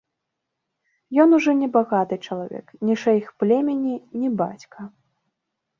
Ён ужо не багаты чалавек, не шэйх племені, не бацька.